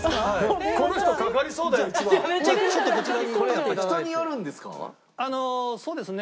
人によるんですか？